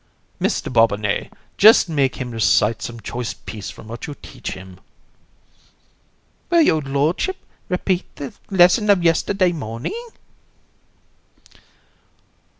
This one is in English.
COUN. Mr. Bobinet, just make him recite some choice piece from what you teach him. BOB. Will your lordship repeat your lesson of yesterday morning?